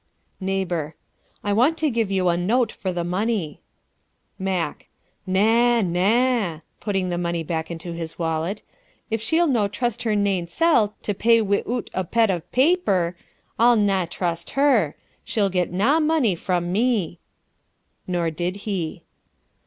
"Neighbor: 'I want to give you a note for the money.' "Mack: 'Na, na' (putting the money back into his wallet), 'if she'll no trust her nainsel' to pay wi' oot a pet of paaper, I'll na trust her. She'll get na money from me.' Nor did he.